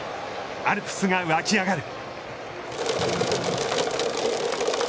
アルプスが沸き上がる。